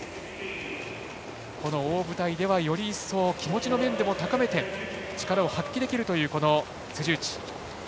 大舞台では、より一層気持ちの面でも高めて力を発揮できるという辻内。